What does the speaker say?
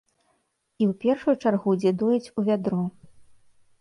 І ў першую чаргу, дзе дояць у вядро.